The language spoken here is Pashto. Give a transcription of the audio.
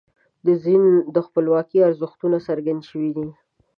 د خپلواکۍ ارزښتونه څرګند شوي دي.